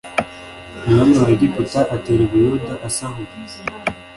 Umwami wa Egiputa atera i Buyuda asahura